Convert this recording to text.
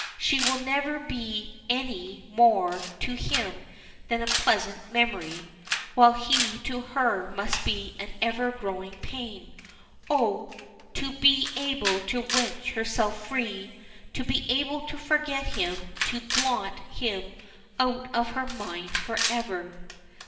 She will never be any more to him than a pleasant memory, while he to her must be an ever growing pain. Oh! to be able to wrench herself free, to be able to forget him to blot him out of her mind forever.